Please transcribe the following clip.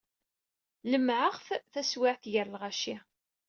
Lemmɛeɣ-t taswiɛt gar lɣaci.